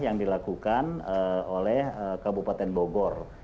yang dilakukan oleh kabupaten bogor